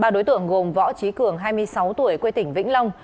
ba đối tượng gồm võ trí cường hai mươi sáu tuổi quê tỉnh vĩnh long